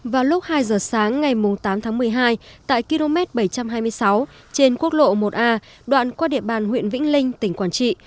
vào lúc hai giờ sáng ngày tám tháng một mươi hai tại km bảy trăm hai mươi sáu trên quốc lộ một a đoạn qua địa bàn huyện vĩnh linh tỉnh quảng trị